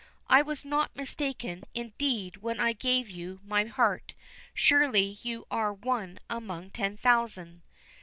"I was not mistaken, indeed, when I gave you my heart. Surely you are one among ten thousand."